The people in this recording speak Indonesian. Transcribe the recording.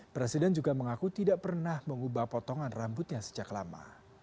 presiden juga mengaku tidak pernah mengubah potongan rambutnya sejak lama